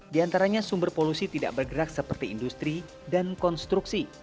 diantaranya sumber polusi tidak bergerak seperti industri dan konstruksi